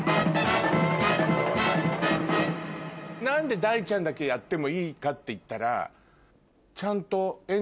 何で大ちゃんだけやってもいいかっていったら。